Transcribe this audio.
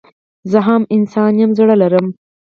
زه هم انسان يم زړه لرم